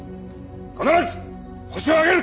必ずホシを挙げる！